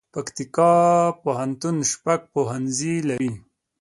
پکتیکا پوهنتون شپږ پوهنځي لري